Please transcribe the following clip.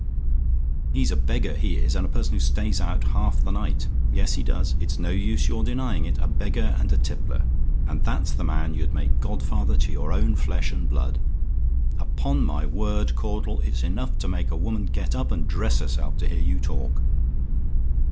He's a beggar, he is; and a person who stays out half the night; yes, he does; and it's no use your denying it a beggar and a tippler, and that's the man you'd make godfather to your own flesh and blood! Upon my word, Caudle, it's enough to make a woman get up and dress herself to hear you talk.